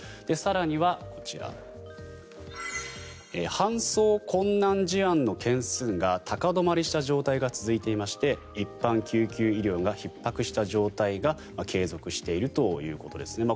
更には、搬送困難事案の件数が高止まりした状態が続いていまして、一般救急医療がひっ迫した状況が継続しているということです。